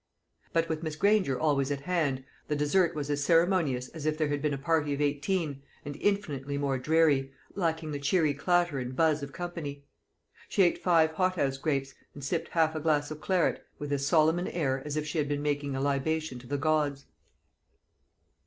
But with Miss Granger always at hand, the dessert was as ceremonious as if there had been a party of eighteen, and infinitely more dreary, lacking the cheery clatter and buzz of company. She ate five hothouse grapes, and sipped half a glass of claret, with as solemn an air as if she had been making a libation to the gods.